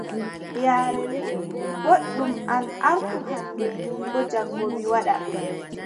Yaare wii: booɗɗum an artu hannde, min boo jaŋgo mi waɗa.